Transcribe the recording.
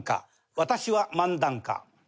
私は漫談家。